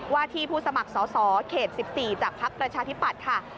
ว่าที่ผู้สมัครสอสอเขตสิบสี่จากภักดิ์ลัชธิปัตต์ค่ะ